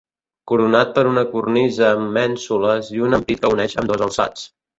Coronat per una cornisa amb mènsules i un ampit que uneix ambdós alçats.